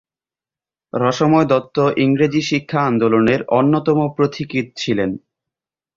রসময় দত্ত ইংরেজি শিক্ষা আন্দোলনের অন্যতম পথিকৃৎ ছিলেন।